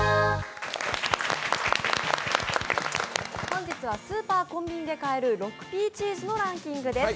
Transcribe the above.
本日はスーパー・コンビニで買える６Ｐチーズのランキングです。